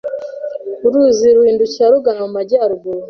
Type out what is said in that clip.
uruzi ruhindukira rugana mu majyaruguru